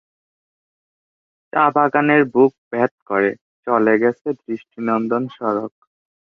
চা বাগানের বুক ভেদ করে চলে গেছে দৃষ্টিনন্দন সড়ক।